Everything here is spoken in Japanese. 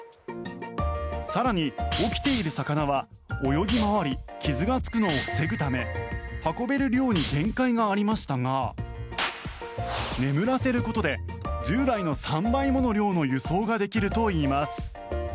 更に、起きている魚は泳ぎ回り、傷がつくのを防ぐため運べる量に限界がありましたが眠らせることで従来の３倍もの量の輸送ができるといいます。